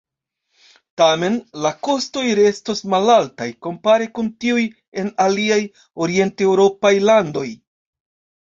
Tamen la kostoj restos malaltaj kompare kun tiuj en aliaj orienteŭropaj landoj.